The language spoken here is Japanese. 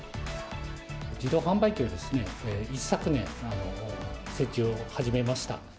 自動販売機を一昨年、設置を始めました。